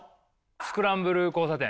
スクランブル交差点。